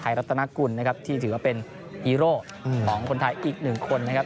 รัฐนากุลนะครับที่ถือว่าเป็นฮีโร่ของคนไทยอีกหนึ่งคนนะครับ